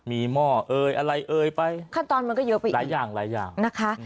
มีหม้อเอยอะไรเอ่ยไปขั้นตอนมันก็เยอะไปอีกหลายอย่างหลายอย่างนะคะ